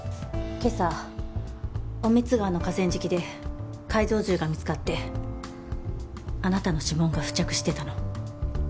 今朝尾満川の河川敷で改造銃が見つかってあなたの指紋が付着してたの。